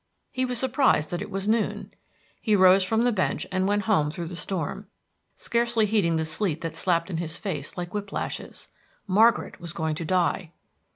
He was surprised that it was noon. He rose from the bench and went home through the storm, scarcely heeding the sleet that snapped in his face like whip lashes. Margaret was going to die!